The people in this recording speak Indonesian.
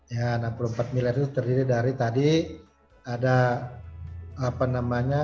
ya enam puluh empat miliar itu terdiri dari tadi ada apa namanya